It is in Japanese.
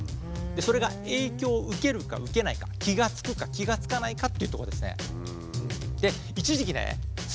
でそれが影響を受けるか受けないか気が付くか気が付かないかっていうとこですね。